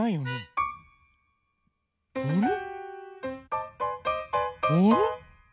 うん。